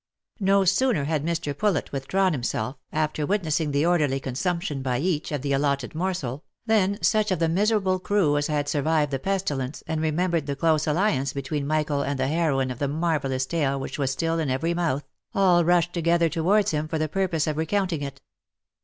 No sooner had Mr. Poulet withdrawn himself, after witnessing the orderly consumption by each, of the allotted morsel, than such of the miserable crew as had sur vived the pestilence, and remembered the close alliance between Mi chael and the heroine of the marvellous tale which was still in every mouth, all rushed together towards him for the purpose of recounting it.